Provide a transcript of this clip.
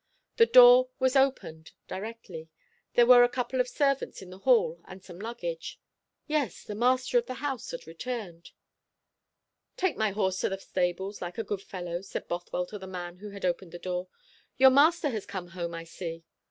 The door was opened directly. There were a couple of servants in the hall and some luggage. Yes, the master of the house had returned. "Take my horse to the stables, like a good fellow," said Bothwell to the man who had opened the door. "Your master has come home, I see."